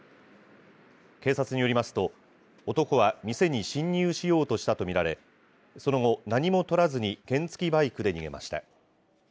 警察によりますと、男は店に侵入しようとしたと見られ、その後、何もとらずに原付きバイクで逃げました。